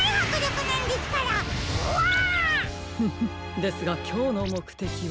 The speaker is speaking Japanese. フフ。ですがきょうのもくてきは。